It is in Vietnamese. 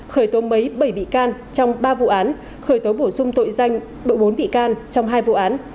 khởi tố mấy bảy bị can trong ba vụ án khởi tố bổ sung tội danh bộ bốn bị can trong hai vụ án